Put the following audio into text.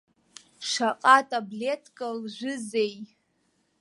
Шаҟа таблетка лжәызеи?